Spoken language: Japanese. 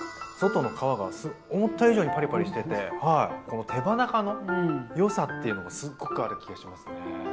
外の皮が思った以上にパリパリしててこの手羽中のよさっていうのがすっごくある気がしますね。